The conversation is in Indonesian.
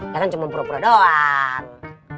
ya kan cuma pura pura doang